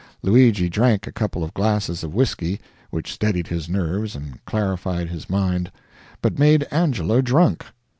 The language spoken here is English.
Luigi drank a couple of glasses of whisky which steadied his nerves and clarified his mind, but made Angelo drunk.